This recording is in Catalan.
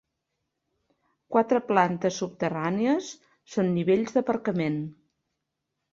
Les quatre plantes subterrànies són nivells d'aparcament.